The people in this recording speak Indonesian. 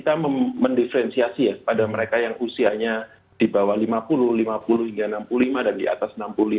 kita mendiferensiasi ya pada mereka yang usianya di bawah lima puluh lima puluh hingga enam puluh lima dan di atas enam puluh lima